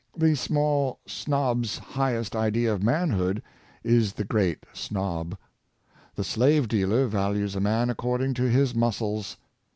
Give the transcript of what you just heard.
The small snob's highest idea of manhood is the great snob. The slave dealer values a man according to his muscles.